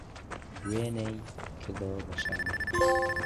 دوێنێی کردوە بە شانە